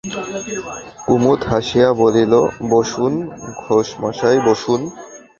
কুমুদ হাসিয়া বলিল, বসুন ঘোষমশায় বসুন।